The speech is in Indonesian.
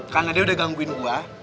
karena dia udah gangguin gue